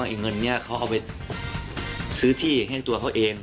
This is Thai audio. ไอ้เงินนี้เขาเอาไปซื้อที่ให้ตัวเขาเอง